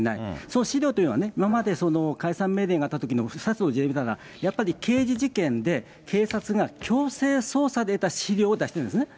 その資料というのは、今まで解散命令があったときの、２つの事例見たら、やっぱり刑事事件で警察が強制捜査で得た資料を出しているんですね。